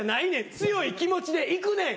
強い気持ちでいくねん。